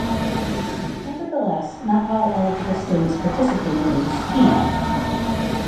Nevertheless, not all eligible students participated in the scheme.